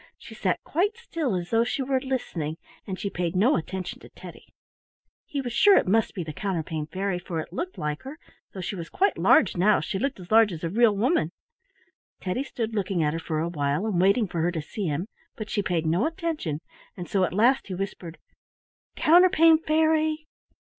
She sat quite still as though she were listening, and she paid no attention to Teddy. He was sure it must be the Counterpane Fairy, for it looked like her, though she was quite large now; she looked as large as a real woman. Teddy stood looking at her for a while, and waiting for her to see him, but she paid no attention, and so at last he whispered, "Counterpane Fairy!"